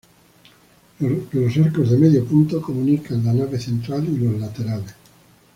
Los arcos de medio punto comunican la nave central y los laterales.